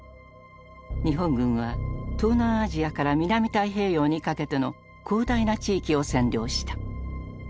日本軍は東南アジアから南太平洋にかけての広大な地域を占領した。